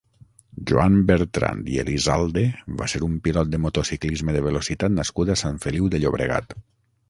Joan Bertrand i Elizalde va ser un pilot de motociclisme de velocitat nascut a Sant Feliu de Llobregat.